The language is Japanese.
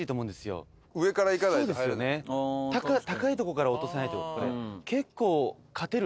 高いとこから落とさないとこれ。